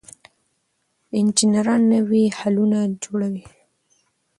انجنیران نوي حلونه جوړوي.